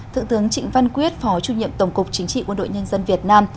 thượng tướng trịnh văn quyết phó chủ nhiệm tổng cục chính trị quân đội nhân dân việt nam